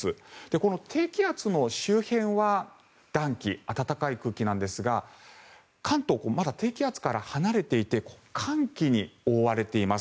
この低気圧の周辺は暖気、暖かい空気なんですが関東、まだ低気圧から離れていて寒気に覆われています。